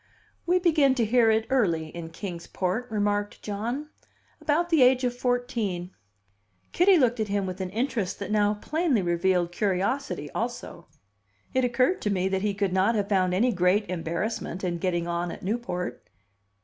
"We begin to hear it early in Kings Port," remarked John. "About the age of fourteen." Kitty looked at him with an interest that now plainly revealed curiosity also. It occurred to me that he could not have found any great embarrassment in getting on at Newport.